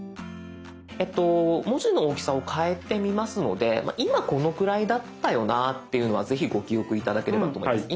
文字の大きさを変えてみますので今このくらいだったよなっていうのはぜひご記憶頂ければと思います。